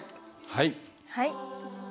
はい。